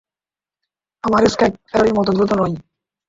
আমার স্কেট ফেরারির মত দ্রুত নয়।